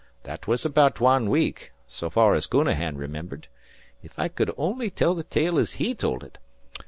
That was about wan week, so far as Counahan remembered. (If I cud only tell the tale as he told ut!)